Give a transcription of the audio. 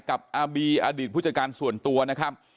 อาบีอดีตผู้จัดการส่วนตัวนะครับ